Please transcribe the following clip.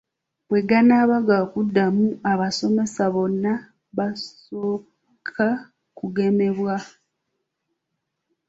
Bwe ganaaba gakuddamu abasomesa bonna baakusooka kugemebwa.